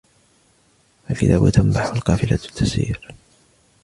الكلاب تنبح ، والقافلة تسير.